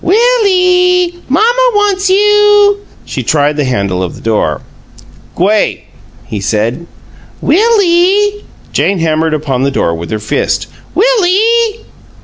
"Will ee! Mamma wants you." She tried the handle of the door. "G'way!" he said. "Will ee!" Jane hammered upon the door with her fist. "Will ee!"